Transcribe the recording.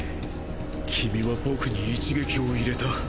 君は僕に一撃を入れた。